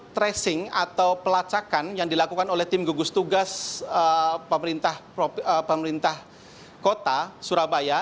tracing atau pelacakan yang dilakukan oleh tim gugus tugas pemerintah kota surabaya